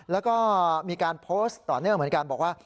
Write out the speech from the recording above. แล้วก็มีการโพสต์ต่อเนื่องเหมือนกันบอกว่า